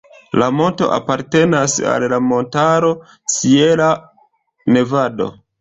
La monto apartenas al la montaro Sierra Nevada.